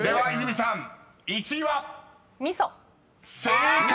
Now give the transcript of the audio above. ［正解！